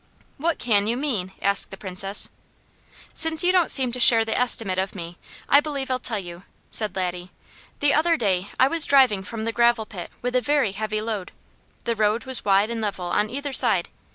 "What can you mean?" asked the Princess. "Since you don't seem to share the estimate of me, I believe I'll tell you," said Laddie. "The other day I was driving from the gravel pit with a very heavy load. The road was wide and level on either side.